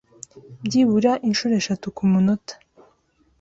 byibura inshuro eshatu ku munota